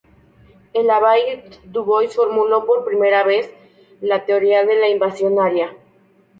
El abad Dubois formuló por vez primera la teoría de la invasión aria.